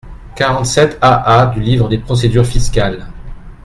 quarante-sept AA du livre des procédures fiscales.